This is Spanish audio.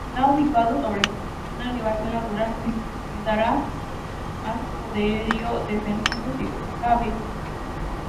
Está ubicado sobre una elevación natural que le daría más poderío defensivo si cabe.